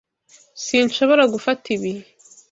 Sinshobora gufata ibi.